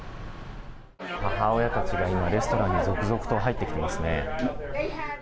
母親たちが今、レストランに続々と入ってきていますね。